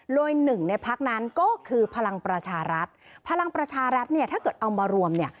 โดยหนึ่งในพักนั้นก็คือพลังประชารัฐพลังประชารัฐเนี่ยถ้าเกิดเอามารวมเนี่ย